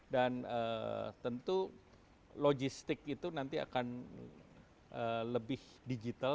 dan tentu logistik itu nanti akan lebih digital